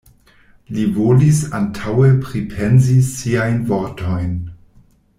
Li volis antaŭe pripensi siajn vortojn.